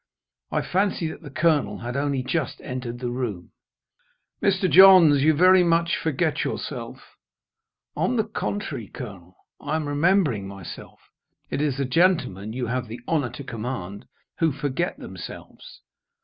I fancy that the Colonel had only just entered the room. "Mr. Johns, you very much forget yourself." "On the contrary, Colonel, I am remembering myself. It is the gentlemen you have the honour to command, who forget themselves.